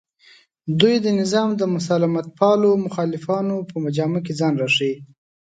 دوی د نظام د مسالمتپالو مخالفانو په جامه کې ځان راښیي